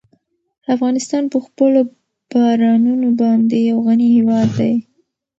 افغانستان په خپلو بارانونو باندې یو غني هېواد دی.